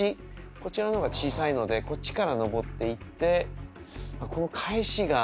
こちらの方が小さいのでこっちから登っていってこの返しが。